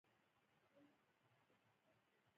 وینه د هیموګلوبین په نوم د یوې مادې له امله سره وي